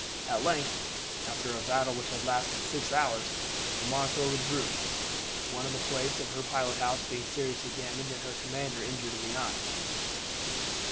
At length, after a battle which had lasted six hours, the Monitor withdrew, one of the plates of her pilot house being seriously damaged and her commander injured in the eyes.